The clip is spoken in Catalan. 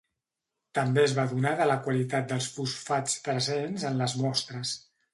També es va adonar de la qualitat dels fosfats presents en les mostres.